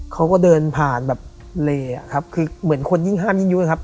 เขาก็เดินผ่านแบบเลอะครับคือเหมือนคนยิ่งห้ามยิ่งยุครับ